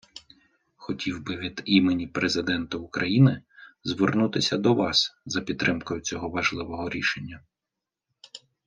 Хотів би від імені Президента України звернутися до вас за підтримкою цього важливого рішення.